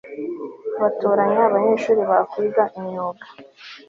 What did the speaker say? batoranya abanyeshuri bakwiga imyuga